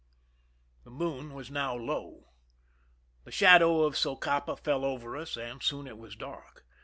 The moon was now low. The shadow of Socapa fell over us, and soon it was dark.